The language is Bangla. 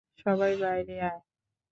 সবাই বাইরে আয়।